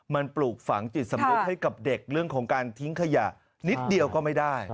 มันปลูกฝังจิตสำนึกให้กับเด็กเรื่องของการทิ้งขยะนิดเดียวก็ไม่ได้